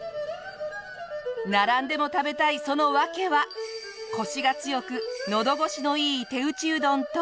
並んでも食べたいその訳はコシが強くのど越しのいい手打ちうどんと。